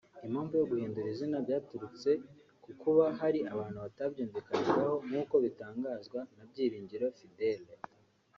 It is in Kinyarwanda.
Impamvu yo guhindura izina byaturutse ku kuba hari abantu batabyumvikanagaho; nk’uko bitangazwa na Byiringiro Fidele